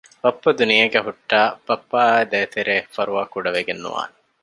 ބައްޕަ ދުނިޔޭގައި ހުއްޓައި ބައްޕައާއި ދޭތެރޭ ފަރުވާކުޑަ ވެގެން ނުވާނެ